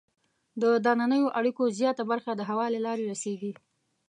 د دنننیو اړیکو زیاته برخه د هوا له لارې رسیږي.